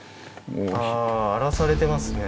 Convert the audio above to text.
ああ荒らされてますね。